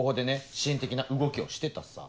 支援的な動きをしてたさ。